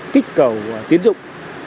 kích cầu tiến dụng